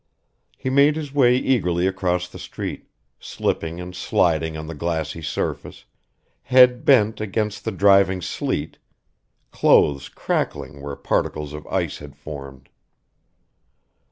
He made his way eagerly across the street; slipping and sliding on the glassy surface, head bent against the driving sleet, clothes crackling where particles of ice had formed.